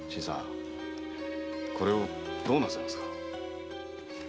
これをどうなさいますか？